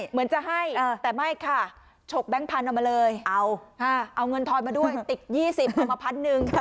เหมือนจะให้แต่ไม่ค่ะฉกแก๊งพันธุ์ออกมาเลยเอาเงินทอนมาด้วยติด๒๐เอามาพันหนึ่ง